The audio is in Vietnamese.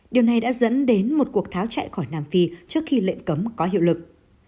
điều này đã dẫn đến một cuộc tháo chạy khỏi nam phi trước khi lệnh cấm có hiệu lực